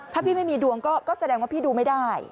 ถ้าพี่ไม่มีดวงก็แสดงว่าพี่ดูไม่ได้